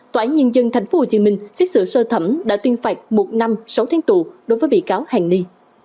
tòa án nhân dân tp hcm xét xử sơ thẩm đã tuyên phạt một năm sáu tháng tù đối với bị cáo hàng ni